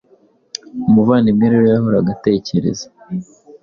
Umuvandimwe rero yahoraga atekereza